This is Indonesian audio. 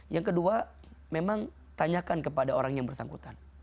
yang kedua memang tanyakan kepada orang yang bersangkutan